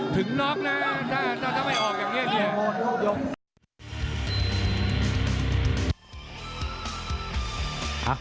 ถึงน็อคนะถ้าไม่ออกอย่างเนี้ยดี